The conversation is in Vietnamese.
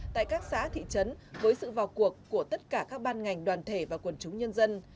tại các xã thị trấn với sự vào cuộc của tất cả các ban ngành đoàn thể và quần chúng nhân dân